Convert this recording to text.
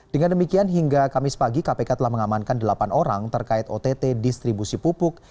dengan demikian hingga kamis pagi kpk telah mengamankan delapan orang terkait ott distribusi pupuk